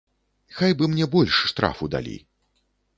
Хай бы мне больш штрафу далі.